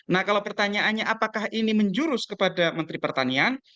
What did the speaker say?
nah kalau pertanyaannya apakah ini menjurus kepada menteri pertanian